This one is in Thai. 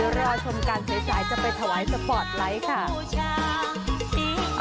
เดี๋ยวรอชมการเศรษฐ์จะไปถวายสปอร์ตไลค์ค่ะ